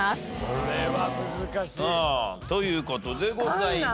これは難しい。という事でございましたね。